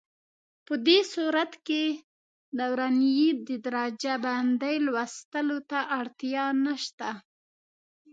په دې صورت کې د ورنيې د درجه بندۍ لوستلو ته اړتیا نشته.